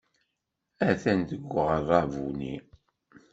Atan deg uɣerrabu-nni.